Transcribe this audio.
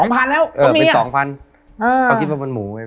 ๒๐๐๐บาทแล้วเออเป็น๒๐๐๐บาท